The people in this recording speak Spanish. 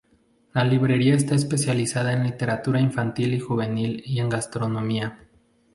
La librería está especializada en literatura infantil y juvenil y en gastronomía.